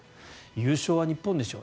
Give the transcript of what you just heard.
優勝は日本でしょう